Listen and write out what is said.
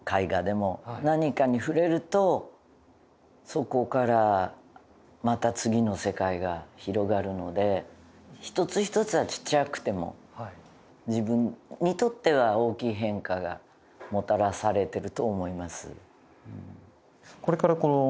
そこからまた次の世界が広がるので１つ１つはちっちゃくても自分にとっては大きい変化がもたらされてると思います。